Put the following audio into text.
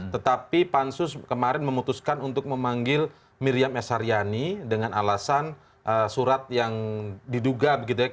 tetapi pansus kemarin memutuskan untuk memanggil miriam s haryani dengan alasan surat yang diduga